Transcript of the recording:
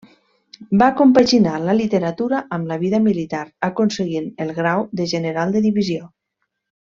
Va compaginar la literatura amb la vida militar aconseguint el grau de general de divisió.